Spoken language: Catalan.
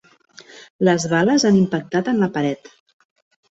Les bales han impactat en la paret.